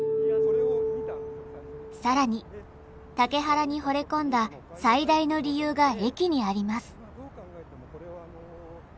更に竹原にほれ込んだ最大の理由が駅にあります。